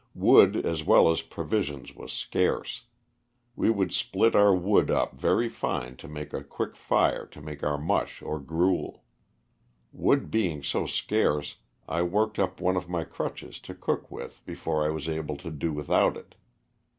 Wood as well as provisions was scarce. We would split our wood up very fine so to make a quick fire to make our mush or gruel. Wood being so scarce I worked up one of my crutches to cook with LOSS OF THE SULTANA. 361 before I was able to do without it.